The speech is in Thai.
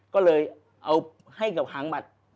ก็เลยเอาให้กับหางบัตร